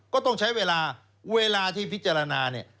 ก็ต้องใช้เวลาเวลาที่พิจารณาเนี่ย